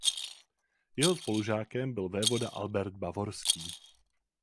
Jeho spolužákem byl vévoda Albert Bavorský.